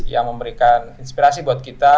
yang memberikan inspirasi buat kita